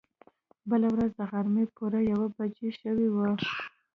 بله ورځ د غرمې پوره يوه بجه شوې وه.